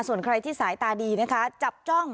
ส่วนใครที่สายตาดีนะคะจับจ้อง